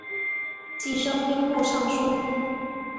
继升兵部尚书。